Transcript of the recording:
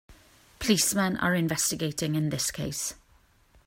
Policemen are investigating in this case.